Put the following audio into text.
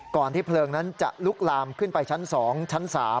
ที่เพลิงนั้นจะลุกลามขึ้นไปชั้น๒ชั้น๓